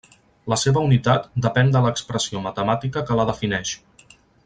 La seva unitat depèn de l’expressió matemàtica que la defineix.